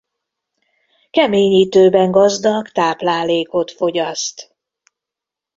Keményítőben gazdag táplálékot fogyaszt.